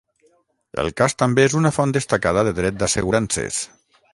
El cas també és una font destacada de dret d'assegurances.